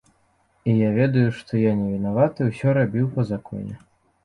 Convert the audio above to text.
І я ведаю, што я не вінаваты, усё рабіў па законе.